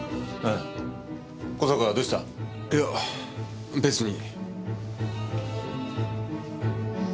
いや別に。